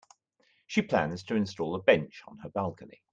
She plans to install a bench on her balcony.